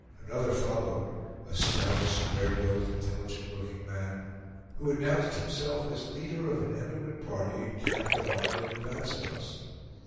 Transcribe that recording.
Another followed, a stout, square built, intelligent looking man, who announced himself as leader of an emigrant party encamped a mile in advance of us.